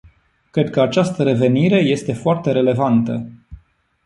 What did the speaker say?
Cred că această referire este foarte relevantă.